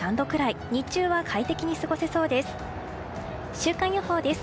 週間予報です。